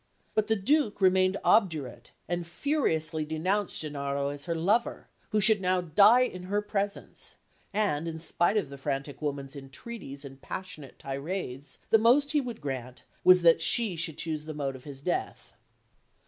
But the Duke remained obdurate, and furiously denounced Gennaro as her lover, who should now die in her presence; and, in spite of the frantic woman's entreaties and passionate tirades, the most he would grant was that she should choose the mode of his death.